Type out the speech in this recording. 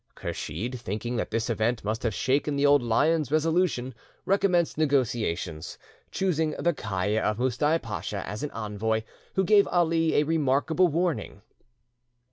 Kursheed, thinking that this event must have shaken the old lion's resolution, recommenced negotiations, choosing the Kiaia of Moustai Pacha: as an envoy, who gave Ali a remarkable warning.